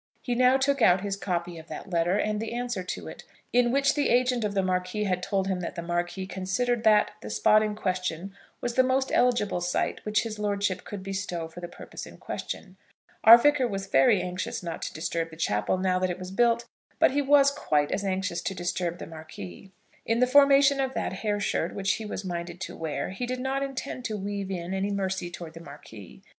He now took out his copy of that letter, and the answer to it, in which the agent of the Marquis had told him that the Marquis considered that the spot in question was the most eligible site which his lordship could bestow for the purpose in question. Our Vicar was very anxious not to disturb the chapel now that it was built; but he was quite as anxious to disturb the Marquis. In the formation of that hair shirt which he was minded to wear, he did not intend to weave in any mercy towards the Marquis.